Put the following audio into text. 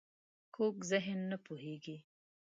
کوږ ذهن نه پوهېږي